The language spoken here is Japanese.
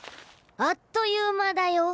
あっという間だよ？